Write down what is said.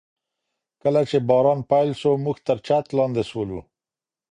کله چي باران پیل سو، موږ تر چت لاندي سولو.